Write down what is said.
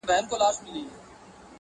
چي مي نه ګرځي سرتوري په کوڅو کي د پردیو-